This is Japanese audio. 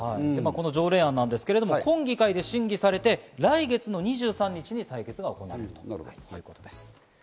条例案ですが、今議会で審議されて、来月２３日に採決が行われるということです。